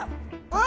あ！